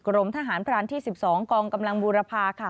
กรมทหารพรานที่๑๒กองกำลังบูรพาค่ะ